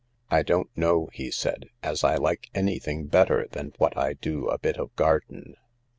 " I don't know," he said, " as I like anything better than what I do a bit of garden."